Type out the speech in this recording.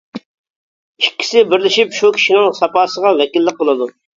ئىككىسى بىرلىشىپ شۇ كىشىنىڭ ساپاسىغا ۋەكىللىك قىلىدۇ.